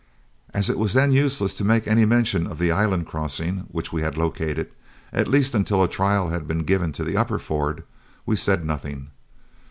As it was then useless to make any mention of the island crossing which we had located, at least until a trial had been given to the upper ford, we said nothing.